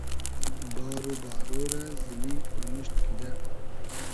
بار و بارۉ رۂ زیمی پورموشت کیدۂ